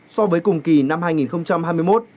so với cùng kỳ năm hai nghìn hai mươi